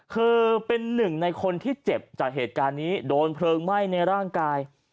คือเป็นหนึ่งในคนที่เจ็บจากเหตุการณ์นี้โดนเพลิงไหม้ในร่างกาย